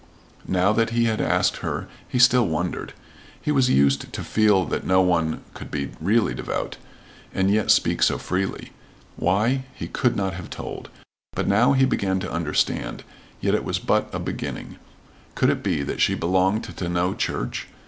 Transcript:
Now that he had asked her he still wondered. He was used to feel that no one could be really devout, and yet speak so freely. Why he could not have told. But now he began to understand, yet it was but a beginning. Could it be that she belonged to no church?